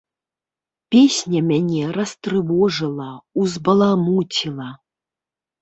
Песня мяне растрывожыла, узбаламуціла.